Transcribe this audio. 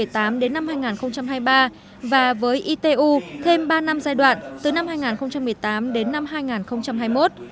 thêm năm năm giai đoạn từ năm hai nghìn một mươi tám đến năm hai nghìn một mươi chín